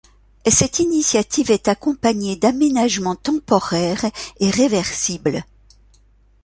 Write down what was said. Cette initiative est accompagnée d'aménagements temporaires et réversibles.